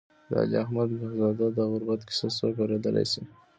د علي احمد کهزاد د غربت کیسه څوک اورېدای شي.